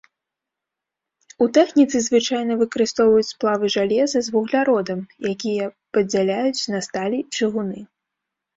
У тэхніцы звычайна выкарыстоўваюць сплавы жалеза з вугляродам, якія падзяляюць на сталі і чыгуны.